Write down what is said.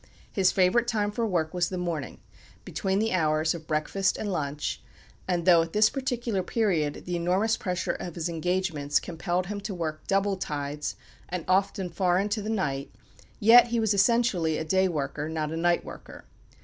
His favourite time for work was the morning, between the hours of breakfast and lunch; and though, at this particular period, the enormous pressure of his engagements compelled him to work "double tides," and often far into the night, yet he was essentially a day worker, not a night worker.